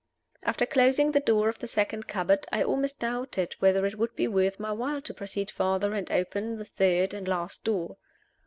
After closing the door of the second cupboard, I almost doubted whether it would be worth my while to proceed farther and open the third and last door.